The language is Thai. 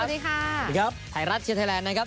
สวัสดีค่ะไทรัฐเชื่อไทยแลนด์ครับ